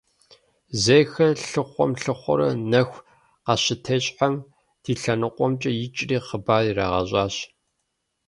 Зейхэр лъыхъуэм-лъыхъуэурэ нэху къащытещхьэм, ди лъэныкъуэмкӀэ икӀри хъыбар ирагъэщӀащ.